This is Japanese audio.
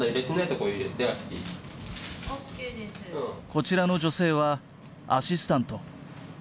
こちらの女性はアシスタント。